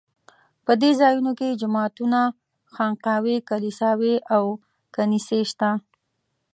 په دې ځایونو کې جوماتونه، خانقاوې، کلیساوې او کنیسې شته.